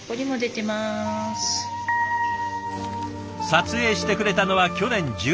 撮影してくれたのは去年１２月。